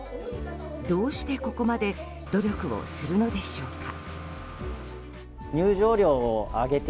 どうしてここまで努力をするのでしょうか。